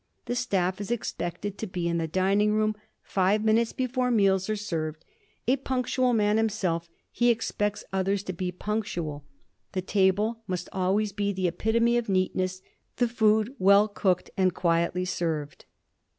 The staff is expected to be in the dining room five minutes before meals are served. A punctual man himself, he expects others to be punctual. The table must always be the epitome of neatness, the food well cooked and quietly served.